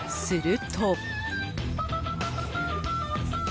すると。